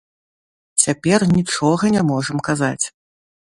Цяпер нічога не можам казаць.